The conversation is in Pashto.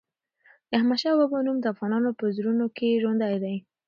د احمد شاه بابا نوم د افغانانو په زړونو کې ژوندی دی.